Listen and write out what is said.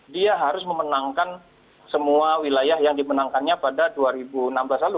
dia harus memenangkan semua wilayah yang dimenangkannya pada dua ribu enam belas lalu